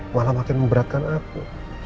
malah makin memberatkan aku